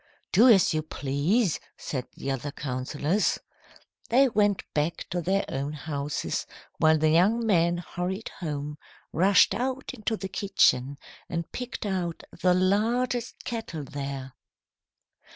"'Do as you please,' said the other councillors. They went back to their own houses, while the young man hurried home, rushed out into the kitchen and picked out the largest kettle there.